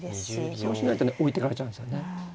そうしないとね置いてかれちゃうんですよね。